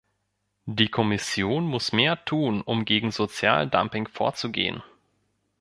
Die Kommission muss mehr tun, um gegen Sozialdumping vorzugehen.